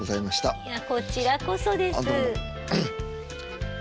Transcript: いやこちらこそです。